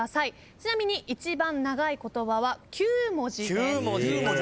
ちなみに一番長い言葉は９文字です。